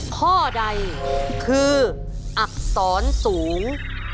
ข้อใดคืออักษรสูง